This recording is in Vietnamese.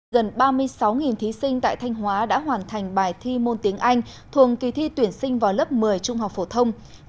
gần ba mươi sáu thí sinh tại thanh hóa đã hoàn thành bài thi môn tiếng anh thuồng kỳ thi tuyển sinh vào lớp một mươi trung học phổ thông